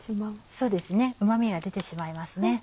そうですねうま味が出てしまいますね。